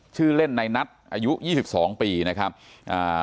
ชื่อเล่นในนัทอายุยี่สิบสองปีนะครับอ่า